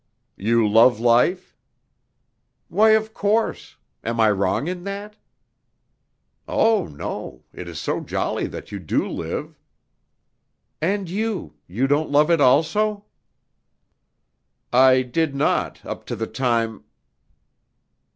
"You love life?" "Why, of course. Am I wrong in that?" "Oh, no! It is so jolly that you do live...." "And you, you don't love it also?" "I did not, up to the time...."